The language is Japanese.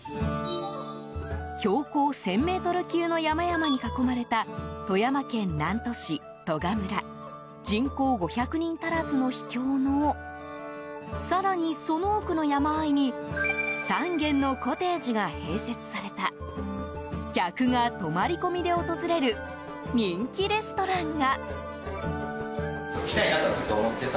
標高１０００ｍ級の山々に囲まれた富山県南砺市利賀村人口５００人足らずの秘境の更にその奥の山あいに３軒のコテージが併設された客が泊まり込みで訪れる人気レストランが。